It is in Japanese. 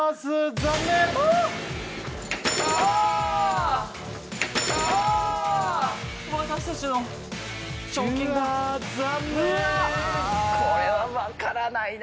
残念これは分からないな